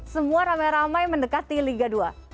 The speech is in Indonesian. semua ramai ramai mendekati liga dua